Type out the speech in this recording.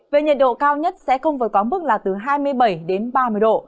về nhiệt độ cao nhất sẽ không vừa có mức là từ hai mươi bảy đến ba mươi độ